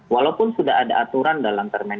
walaupun sudah ada aturan dalam permen